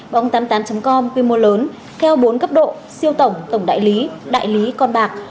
bóng tám mươi tám com quy mô lớn theo bốn cấp độ siêu tổng tổng đại lý đại lý con bạc